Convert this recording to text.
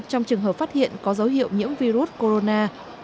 trong trường hợp phát hiện có dấu hiệu nhiễm virus corona